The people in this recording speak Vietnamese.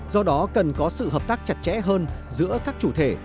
do đó cần có sự hợp tác chặt chẽ hơn giữa các chủ thể